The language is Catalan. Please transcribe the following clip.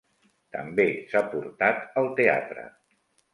També s'ha portat al teatre.